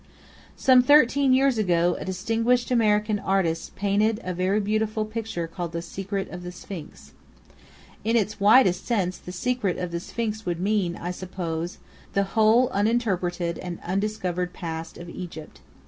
Some thirteen years ago,2 a distinguished American artist painted a very beautiful pictured called The Secret of the Sphinx. In its widest sense, the Secret of the Sphinx would mean, I suppose, the whole uninterpreted and undiscovered past of Egypt.